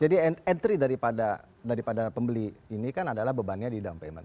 jadi entry daripada pembeli ini kan adalah bebannya di down payment